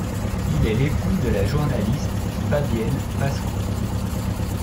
Il est l'époux de la journaliste Fabienne Pascaud.